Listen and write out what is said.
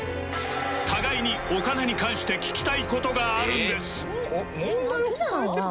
互いにお金に関して聞きたい事があるんです